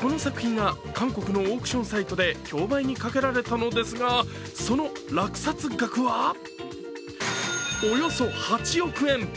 この作品が韓国のオークションサイトで競売にかけられたのですがその落札額は、およそ８億円。